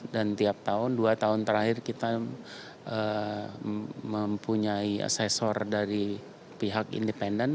dan tiap tahun dua tahun terakhir kita mempunyai asesor dari pihak independen